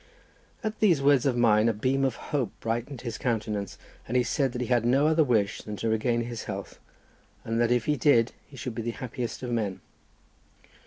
At these words of mine a beam of hope brightened his countenance, and he said he had no other wish than to regain his health, and that if he did he should be the happiest of men.